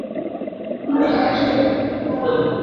Ni muhimu kujiepusha na vitendo vya uchokozi